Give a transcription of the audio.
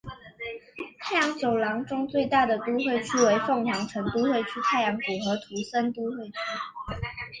太阳走廊中最大的都会区为凤凰城都会区太阳谷和图森都会区。